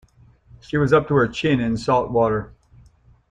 She was up to her chin in salt water.